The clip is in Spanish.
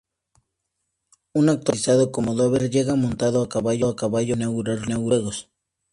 Un actor caracterizado como Dover llega montado a caballo para inaugurar los Juegos.